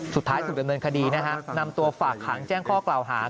สุดท้ายสุดท้ายเมืองคดีนะครับนำตัวฝากหางแจ้งข้อกล่าวหา